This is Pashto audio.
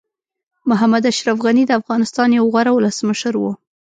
محمد اشرف غني د افغانستان یو غوره ولسمشر وو.